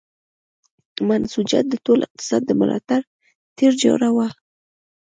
منسوجات د ټول اقتصاد د ملا تیر جوړاوه.